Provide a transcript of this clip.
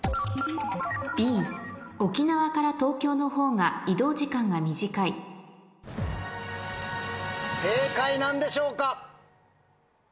Ｂ沖縄から東京の方が移動時間が短い正解なんでしょうか？